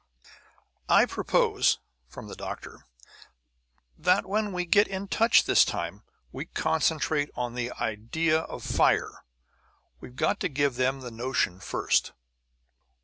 "I propose," from the doctor, "that when we get in touch this time we concentrate on the idea of fire. We've got to give them the notion first."